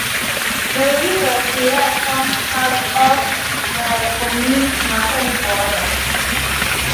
The River Fier forms parts of the commune's northern border.